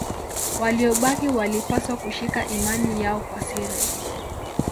Waliobaki walipaswa kushika imani yao kwa siri.